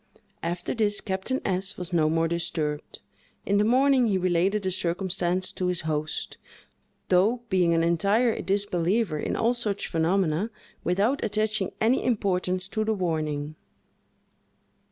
After this, Captain S—— was no more disturbed. In the morning, he related the circumstance to his host, though, being an entire disbeliever in all such phenomena, without attaching any importance to the warning.